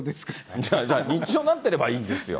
じゃあ、日常になってればいいんですよ。